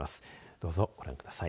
どうぞご覧ください。